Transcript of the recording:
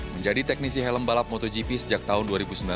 menjadi teknisi helm balap motogp sejak tahun dua ribu sembilan belas